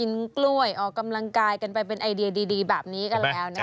กล้วยออกกำลังกายกันไปเป็นไอเดียดีแบบนี้กันแล้วนะคะ